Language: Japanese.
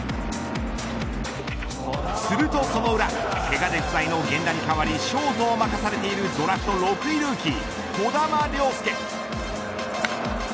するとその裏がけがで不在の源田に代わりショートを任されているドラフト６位ルーキー児玉亮介。